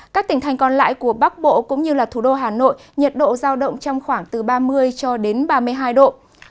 các tỉnh thành còn lại của bắc bộ cũng như thủ đô hà nội nhiệt độ giao động trong khoảng từ ba mươi cho đến ba mươi hai độ